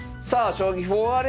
「将棋フォー」あれ？